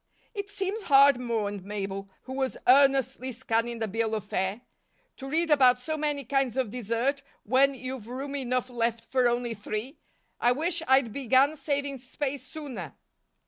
"It seems hard," mourned Mabel, who was earnestly scanning the bill of fare, "to read about so many kinds of dessert when you've room enough left for only three. I wish I'd began saving space sooner."